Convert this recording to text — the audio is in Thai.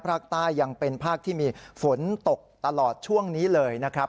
ภาคใต้ยังเป็นภาคที่มีฝนตกตลอดช่วงนี้เลยนะครับ